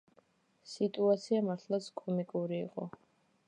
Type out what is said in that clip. სიტუაცია მართლაც კომიკური იყო.